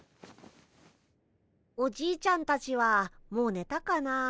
おじいちゃんたちはもうねたかな。